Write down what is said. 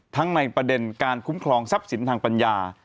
ในประเด็นการคุ้มครองทรัพย์สินทางปัญญา